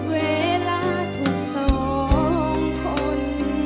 เวลาถูกสองคน